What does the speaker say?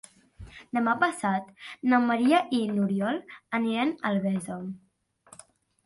Demà passat na Maria i n'Oriol aniran a Albesa.